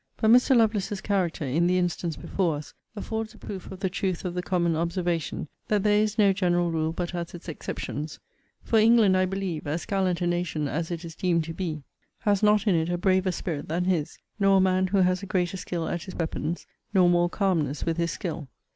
But Mr. Lovelace's character, in the instance before us, affords a proof of the truth of the common observation, that there is no general rule but has its exceptions: for England, I believe, as gallant a nation as it is deemed to be, has not in it a braver spirit than his; nor a man who has a greater skill at his weapons; nor more calmness with his skill.